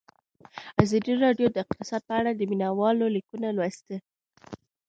ازادي راډیو د اقتصاد په اړه د مینه والو لیکونه لوستي.